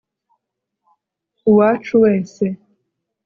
uwacu wese